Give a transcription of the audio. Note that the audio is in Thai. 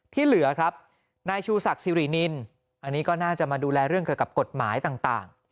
ที่เหลือครับนายชูศักดิ์สิรินินอันนี้ก็น่าจะมาดูแลเรื่องเกี่ยวกับกฎหมายต่าง